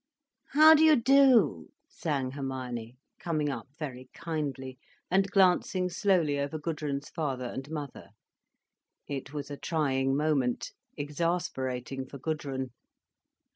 "How do you do!" sang Hermione, coming up very kindly, and glancing slowly over Gudrun's father and mother. It was a trying moment, exasperating for Gudrun.